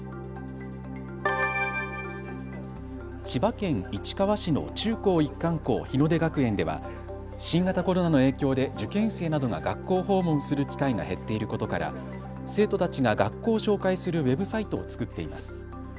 千葉県市川市の中高一貫校日出学園では新型コロナの影響で受験生などが学校訪問する機会が減っていることから生徒たちが学校を紹介するウェブサイトを作っています。